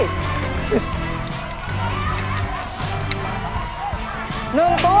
หนึ่งตัว